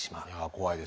怖いですね。